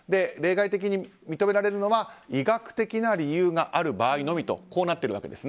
例外的に認められるのは医学的な理由がある場合のみと。